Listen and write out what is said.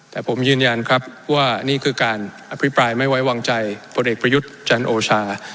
แต่ผมยืนยันครับว่านี่คือการอภิปรายไม่ไว้วางใจพลเอกประยุทธ์จันโอชา